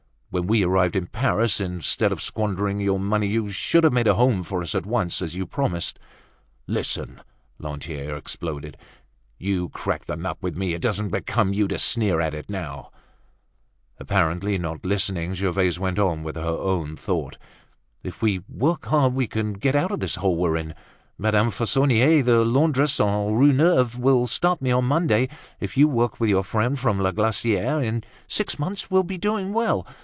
When we arrived in Paris, instead of squandering your money, you should have made a home for us at once, as you promised." "Listen!" Lantier exploded. "You cracked the nut with me; it doesn't become you to sneer at it now!" Apparently not listening, Gervaise went on with her own thought. "If we work hard we can get out of the hole we're in. Madame Fauconnier, the laundress on Rue Neuve, will start me on Monday. If you work with your friend from La Glaciere, in six months we will be doing well.